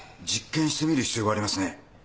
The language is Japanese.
実験してみる必要がありますね。